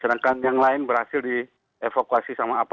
sedangkan yang lain berhasil dievakuasi sama apa